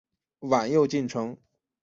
晚又进城。